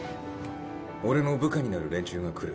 俺の部下になる連中が来る。